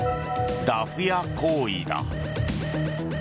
ダフ屋行為だ。